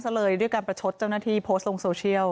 แล้วผมเป็นเพื่อนกับพระนกแต่ผมก็ไม่เคยช่วยเหลือเสียแป้ง